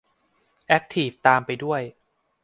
แอ็คทีฟตามไปด้วย